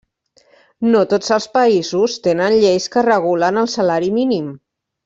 No tots els països tenen lleis que regulen el salari mínim.